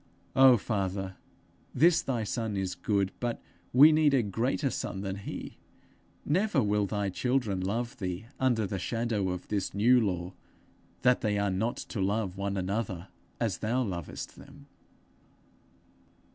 O father, this thy son is good, but we need a greater son than he. Never will thy children love thee under the shadow of this new law, that they are not to love one another as thou lovest them!'